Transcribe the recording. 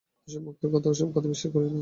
ও-সব মূর্খের কথা, ও-সব কথায় বিশ্বাস করিও না।